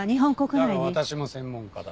だが私も専門家だ。